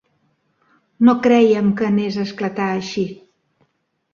No crèiem que anés a esclatar així.